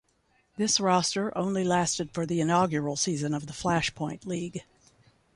This roster only lasted for the inaugural season of the Flashpoint league.